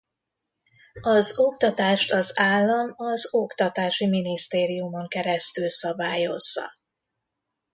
Az oktatást az állam az Oktatási Minisztériumon keresztül szabályozza.